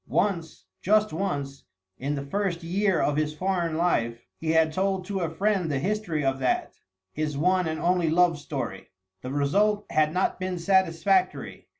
Once, just once, in the first year of his foreign life, he had told to a friend the history of that, his one and only love story. The result had not been satisfactory.